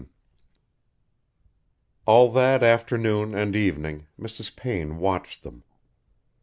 XVII All that afternoon and evening Mrs. Payne watched them.